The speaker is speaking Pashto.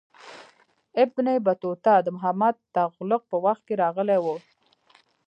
ابن بطوطه د محمد تغلق په وخت کې راغلی و.